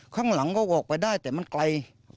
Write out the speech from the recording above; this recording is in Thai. ข้างหลังก็ออกไปได้แต่มันไกล